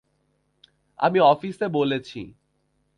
আমি অফিসে বলেছি।